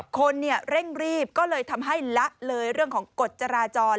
คนเร่งรีบก็เลยทำให้ละเลยเรื่องของกฎจราจร